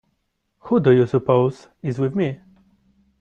Who do you suppose is with me?